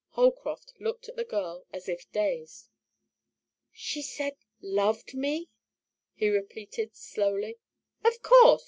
Holcroft looked at the girl as if dazed. "Said she LOVED me?" he repeated slowly. "Of course!